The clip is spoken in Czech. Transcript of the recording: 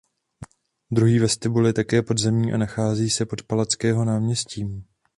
Druhý vestibul je také podzemní a nachází se pod Palackého náměstím.